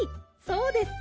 そうです。